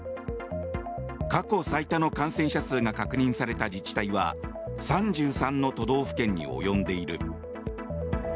過去最多の感染者数が確認された自治体は３３の都道府県に及んでいる。